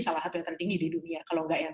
salah satu yang tertinggi di dunia kalau enggak yang